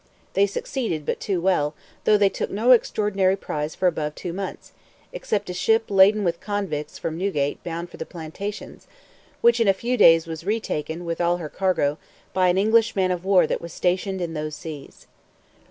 They succeeded but too well, though they took no extraordinary prize for above two months, except a ship laden with convicts from Newgate, bound for the plantations, which in a few days was retaken, with all her cargo, by an English man of war that was stationed in those seas.